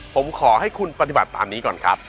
ผมขอให้คุณปฏิบัติตามนี้ก่อนครับ